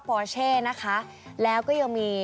ปอเช่นะคะแล้วก็ยังมี